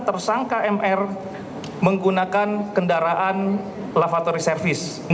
tersangka dari medan kuala namu masuk tanpa melalui jarur pemeriksaan barang